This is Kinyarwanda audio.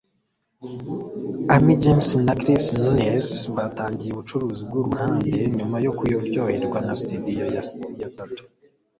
Ami James na Chris Nunez batangiye ubucuruzi bwuruhande nyuma yo kuryoherwa na studio ya tattoo.